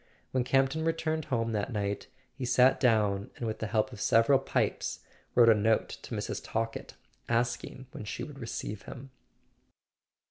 When Campton returned home that night he sat down and, with the help of several pipes, wrote a note to Mrs. Talkett asking when she would receive him.